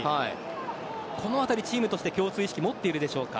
このあたりチームとして共通意識、持っているでしょうか。